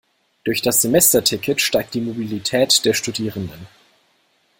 Durch das Semesterticket steigt die Mobilität der Studierenden.